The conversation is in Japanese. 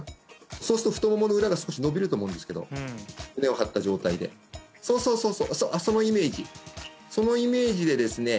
そうすると太ももの裏が少し伸びると思うんですけど胸を張った状態でそうそうそうそうそうそのイメージそのイメージでですね